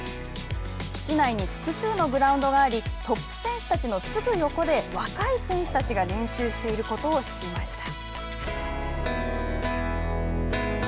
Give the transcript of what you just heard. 敷地内に複数のグラウンドがありトップ選手たちのすぐ横で若い選手たちが練習していることを知りました。